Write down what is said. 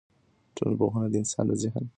ټولنپوهنه د انسان د ذهن د روښانتیا سبب کیږي.